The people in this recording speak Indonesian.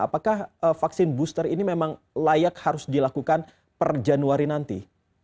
apakah vaksin booster ini memang layak harus dilakukan per januari nanti